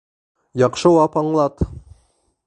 Яҡшылап аңлат!